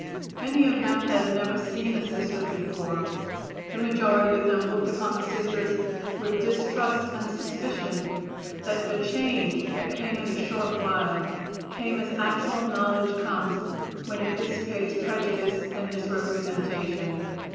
Many of them had never seen a Sister before; the majority of them looked upon the Sisters with distrust and suspicion. The change that came in a short while came as actual knowledge comes when it dissipates prejudice and misrepresentation.